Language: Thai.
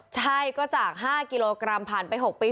ใช่ก็จาก๕กิโลกรัมผ่านไป๖ปี